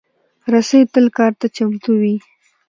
رسۍ تل کار ته چمتو وي.